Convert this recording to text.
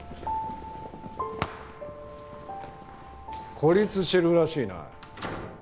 孤立してるらしいな。